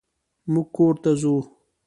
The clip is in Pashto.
مونږ کور ته ځو.